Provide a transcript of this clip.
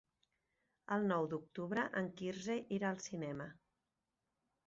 El nou d'octubre en Quirze irà al cinema.